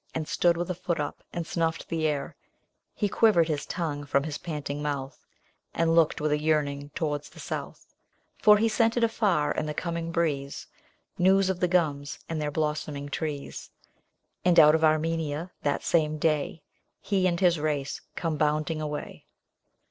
And stood with a foot up, and snuffed the air ; He quivered his tongue from his panting mouth, And looked with a yearning towards the south ; For he scented afar in the coming breeze, News of the gums and their blossoming trees ; And out of Armenia that same day, He and his race come bounding away.